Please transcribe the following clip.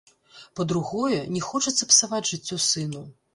Па-другое, не хочацца псаваць жыццё сыну.